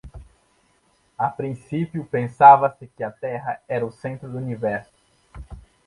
A princípio, pensava-se que a Terra era o centro do universo.